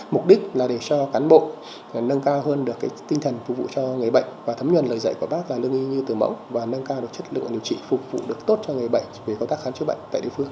mục đích là để cho cán bộ nâng cao hơn được tinh thần phục vụ cho người bệnh và thấm nhuần lời dạy của bác là lương y như từ mẫu và nâng cao được chất lượng điều trị phục vụ được tốt cho người bệnh về công tác khám chữa bệnh tại địa phương